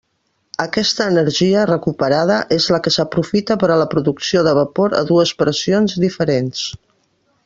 Aquesta energia recuperada és la que s'aprofita per a la producció de vapor a dues pressions diferents.